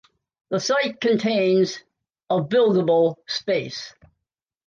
The site contains of buildable space.